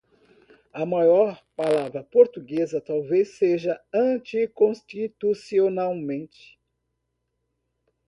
A maior palavra portuguesa talvez seja "anticonstitucionalmente".